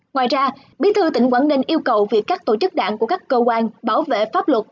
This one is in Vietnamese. ngoài ra bí thư tỉnh quảng ninh yêu cầu việc các tổ chức đảng của các cơ quan bảo vệ pháp luật